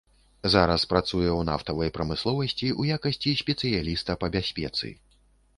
Зараз працуе ў нафтавай прамысловасці ў якасці спецыяліста па бяспецы.